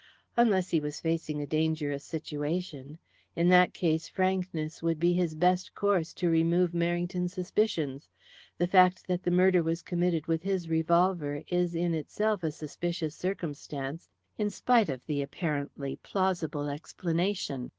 "Unless he was facing a dangerous situation. In that case, frankness would be his best course to remove Merrington's suspicions. The fact that the murder was committed with his revolver is in itself a suspicious circumstance, in spite of the apparently plausible explanation.